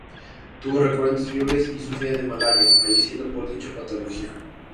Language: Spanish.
Tuvo recurrentes fiebres y sufría de malaria, falleciendo por dicha patología.